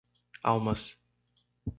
Almas